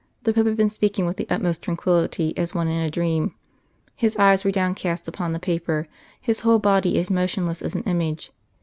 The Pope had been speaking with the utmost tranquillity as one in a dream. His eyes were downcast upon the paper, His whole body as motionless as an image.